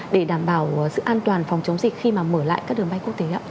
để đảm bảo sự an toàn phòng chống dịch khi mà mở lại các đường bay quốc tế ạ